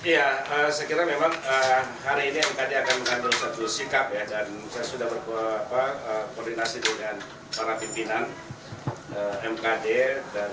ya sekiranya memang